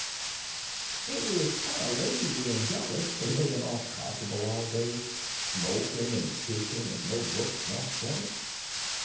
It was kind of lazy and jolly, laying off comfortable all day, smoking and fishing, and no books nor study.